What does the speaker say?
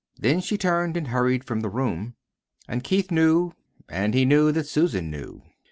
Then she turned and hurried from the room. And Keith knew. And he knew that Susan knew.